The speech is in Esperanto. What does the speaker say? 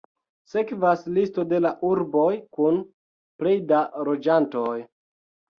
Sekvas listo de la urboj kun plej da loĝantoj.